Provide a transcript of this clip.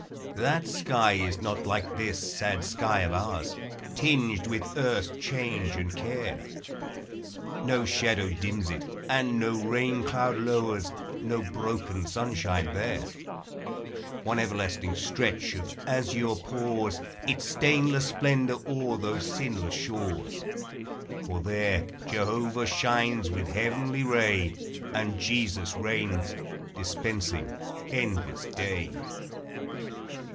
399 That sky is not like this sad sky of ours, Tinged with earth's change and care; No shadow dims it, and no rain cloud lowers; No broken sunshine there: One everlasting stretch of azure pours Its stainless splendor o'er those sinless shores; For there Jehovah shines with heavenly ray, And Jesus reigns, dispensing endless day.